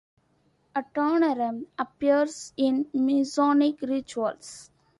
Adoniram appears in Masonic rituals.